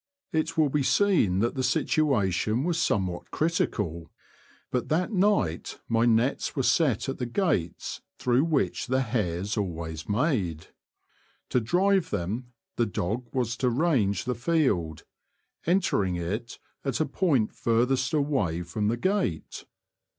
It will be seen that the situa tion was somewhat critical, but that night my nets were set at the gates through which the hares always made. To drive them the dog was to range the field, entering it at a point furthest away from the gate.